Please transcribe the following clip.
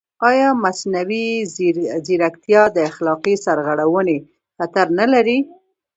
ایا مصنوعي ځیرکتیا د اخلاقي سرغړونې خطر نه لري؟